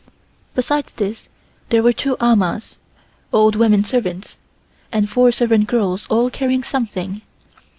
Besides this there were two amahs (old women servants) and four servant girls all carrying something.